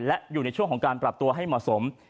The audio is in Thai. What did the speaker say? และอยู่ในช่วงของการปรับตัวให้เหมาะสม